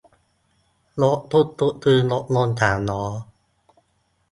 รถตุ๊กตุ๊ก คือรถยนต์สามล้อ